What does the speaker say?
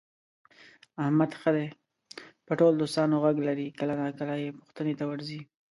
احمد ښه دی په ټول دوستانو غږ لري، کله ناکله یې پوښتنې ته ورځي.